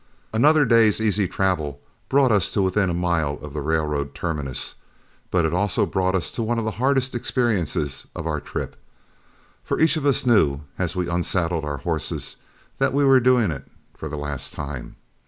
Another day's easy travel brought us to within a mile of the railroad terminus; but it also brought us to one of the hardest experiences of our trip, for each of us knew, as we unsaddled our horses, that we were doing it for the last time.